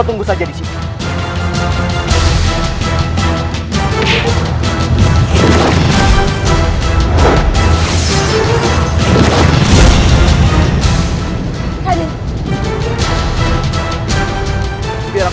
semoga allah selalu melindungi kita